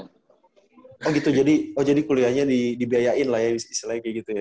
oh gitu jadi kuliahnya dibiayain lah ya misalnya kayak gitu ya